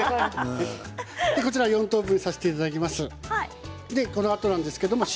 ４等分とさせていただきます。